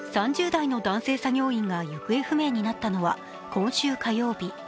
３０代の男性作業員が行方不明になったのは今週火曜日。